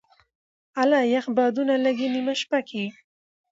اله یخ بادونه لګې نېمه شپه کي